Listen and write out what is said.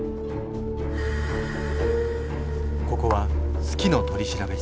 ここは「好きの取調室」。